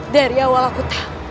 dari awal aku tahu